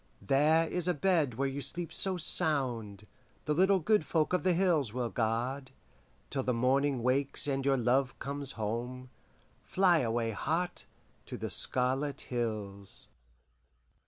There is a bed where you sleep so sound, The little good folk of the hills will guard, Till the morning wakes and your love comes home. (Fly away, heart, to the Scarlet Hills!)"